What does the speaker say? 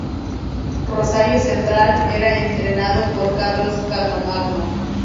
Rosario Central era entrenado por Carlos Carlomagno.